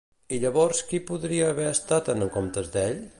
I llavors qui podria haver estat en comptes d'ell?